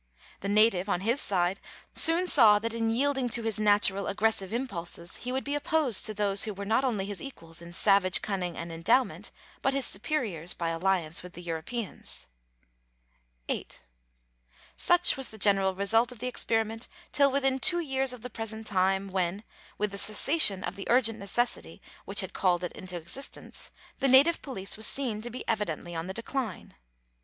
The native, on his side, soon saw that in yielding to his natural aggressive impulses he would be opposed to those who were not only his equals in savage cunning and endowment, but his superiors by alliance with the Europeans. 8. Such was the general result of the experiment till within two years of the present time, when, with the cessation of the urgent necessity which had called it into existence, the native police was seen to be evidently on the decline.